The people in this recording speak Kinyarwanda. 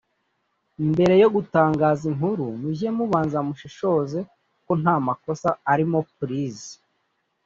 Mbere yo gutangaza inkuru mujye mubanza mushishoze ko nta makosa arimo plz